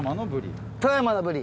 富山のブリ？